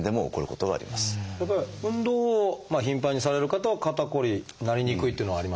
やっぱり運動を頻繁にされる方は肩こりになりにくいっていうのはありますか？